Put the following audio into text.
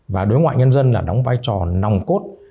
và đối ngoại nhân dân là đóng vai trò nòng cốt